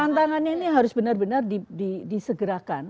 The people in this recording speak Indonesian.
tantangannya ini harus benar benar di segerakan